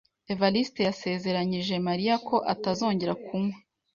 Evariste yasezeranyije Mariya ko atazongera kunywa.